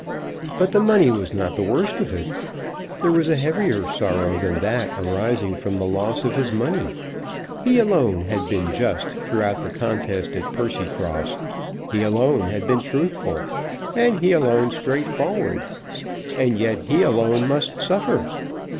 But the money was not the worst of it. There was a heavier sorrow than that arising from the loss of his money. He alone had been just throughout the contest at Percycross; he alone had been truthful, and he alone straightforward! And yet he alone must suffer!